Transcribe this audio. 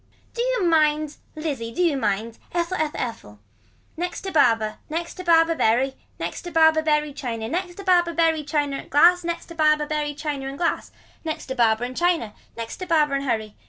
Do you mind. Lizzie do you mind. Ethel. Ethel. Ethel. Next to barber. Next to barber bury. Next to barber bury china. Next to barber bury china glass. Next to barber china and glass. Next to barber and china. Next to barber and hurry.